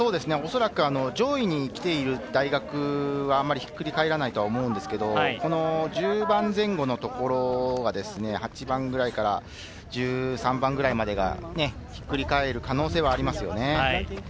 上位に来ている大学はあまりひっくり返らないと思いますが、１０番前後のところは８番から１３番ぐらいまではひっくり返る可能性があります。